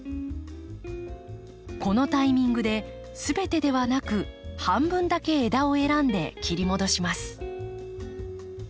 このタイミングですべてではなく半分だけ枝を選んで切り戻します。